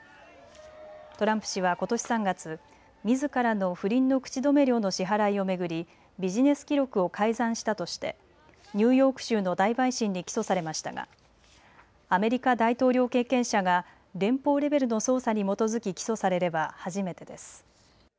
トランプ氏はことし３月、みずからの不倫の口止め料の支払いを巡りビジネス記録を改ざんしたとしてニューヨーク州の大陪審に起訴されましたがアメリカ大統領経験者が連邦レベルの捜査に基づき起訴されれば初めてです。